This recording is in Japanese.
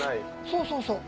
そうそうそう。